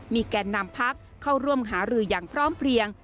มีแก่นนำพักเข้าร่วมหารืออย่างพร้อมเพลียง